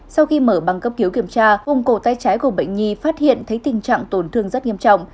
sau khi mở bằng cấp cứu kiểm tra hùng cổ tay trái của bệnh nhi phát hiện thấy tình trạng tổn thương rất nghiêm trọng